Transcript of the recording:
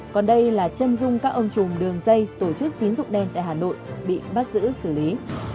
còn đây là chân dung các ông chùm đường dây tổ chức tín dụng đen tại hà nội bị bắt giữ xử lý